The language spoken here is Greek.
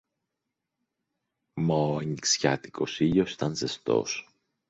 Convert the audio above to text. Μα ο ανοιξιάτικος ήλιος ήταν ζεστός